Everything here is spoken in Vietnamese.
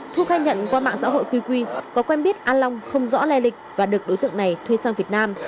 thu khai nhận qua mạng xã hội qq có quen biết an long không rõ lè lịch và được đối tượng này thuê sang việt nam